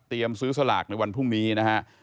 ซื้อสลากในวันพรุ่งนี้นะฮะ